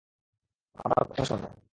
আমার কথা শোনো।